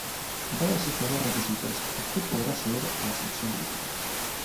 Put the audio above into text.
Dados estos dos requisitos, i podrá acceder a la sección crítica.